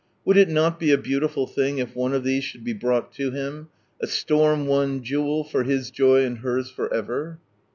Would it not be a beautiful thing if one of these should be brought to Him, a storm won jewel, for His joy and hers for ever?